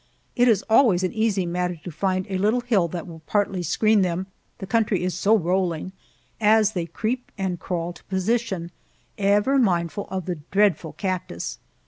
It is always an easy matter to find a little hill that will partly screen them the country is so rolling as they creep and crawl to position, ever mindful of the dreadful cactus.